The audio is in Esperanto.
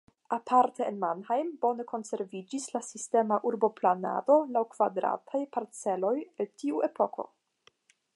Aparte en Mannheim bone konserviĝis la sistema urboplanado laŭ kvadrataj parceloj el tiu epoko.